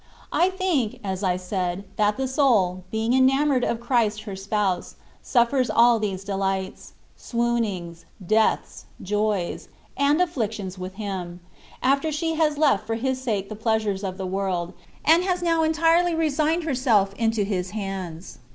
I think (as I said) that the soul, being enamoured of Christ her Spouse, suflFers all these delights — swoonings — deaths — joys — and afflictions with Him, after she has left for His sake the pleasures of the world, and has now entirely resigned herself into His hands.